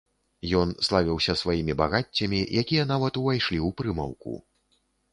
Ён славіўся сваімі багаццямі, якія нават увайшлі ў прымаўку.